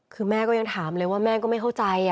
คือแม่ก็ยังถามเลยว่าแม่ก็ไม่เข้าใจ